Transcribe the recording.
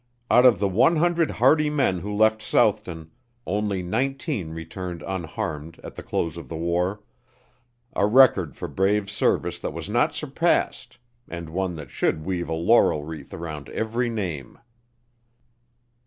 Out of the one hundred hardy men who left Southton, only nineteen returned unharmed at the close of the war! a record for brave service that was not surpassed, and one that should weave a laurel wreath around every name!